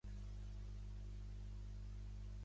Va néixer a Healdsburg, California